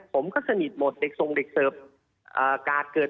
ผมก็สนิทหมดเด็กทรงเด็กเสิร์ฟกาดเกิด